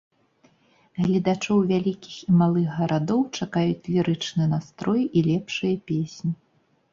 Гледачоў вялікіх і малых гарадоў чакаюць лірычны настрой і лепшыя песні.